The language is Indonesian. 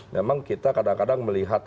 memang kita kadang kadang melihat